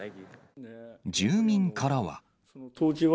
住民からは。